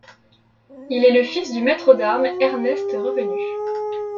Il est le fils du maître d'armes Ernest Revenu.